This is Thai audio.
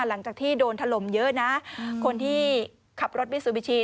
หลังจากที่โดนถล่มเยอะนะคนที่ขับรถมิซูบิชิ